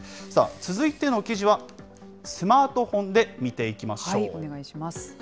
続いての記事はスマートフォンで見ていきましょう。